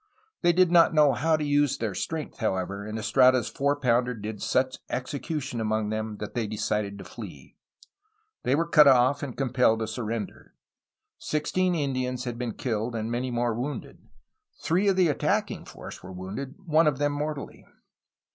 They did not know how to use their strength, however, and Estrada's four pounder did such execution among them that they decided to flee. They were cut off and compelled to surrender. Sixteen In dians had been killed and many more wounded. Three of the attacking force were wounded, one of them mortally.